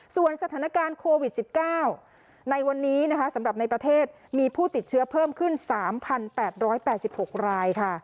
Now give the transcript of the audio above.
ส่วนสถานการณ์โควิด๑๙ในวันนี้นะคะสำหรับในประเทศมีผู้ติดเชื้อเพิ่มขึ้น๓๘๘๖รายค่ะ